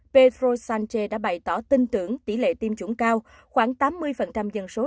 pedro sánchez đã bày tỏ tin tưởng tỷ lệ tiêm chủng cao khoảng tám mươi dân số